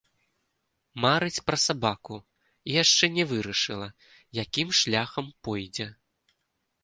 Марыць пра сабаку, і яшчэ не вырашыла, якім шляхам пойдзе.